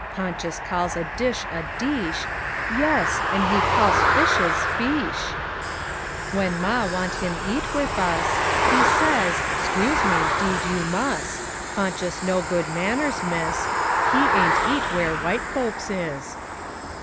Ponchus calls a dish a "deesh" Yes, an' he calls fishes "feesh"! When Ma want him eat wiv us He says, "'Skuse me 'deed you mus'! Ponchus know good manners, Miss. He aint eat wher' White folks is!"